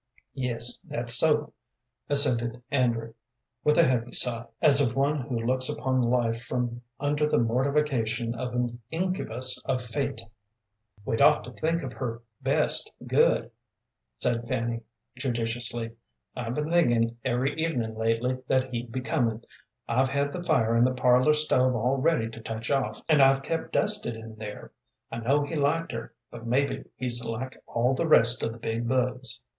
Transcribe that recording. "Yes, that's so," assented Andrew, with a heavy sigh, as of one who looks upon life from under the mortification of an incubus of fate. "We'd ought to think of her best good," said Fanny, judiciously. "I've been thinkin' every evening lately that he'd be comin'. I've had the fire in the parlor stove all ready to touch off, an' I've kept dusted in there. I know he liked her, but mebbe he's like all the rest of the big bugs."